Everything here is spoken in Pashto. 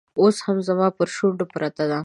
اوس هم زما پر شونډو پرته ده